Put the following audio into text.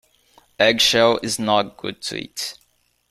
Eggshell is not good to eat.